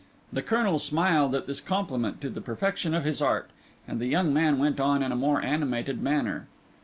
The Colonel smiled at this compliment to the perfection of his art; and the young man went on in a more animated manner.